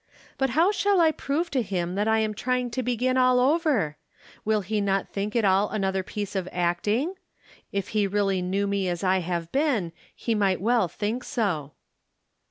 But how shall I prove to him that I am trying to begin all over ? Will he not think it all another piece of acting ? If he really knew me as I have been he might well think so."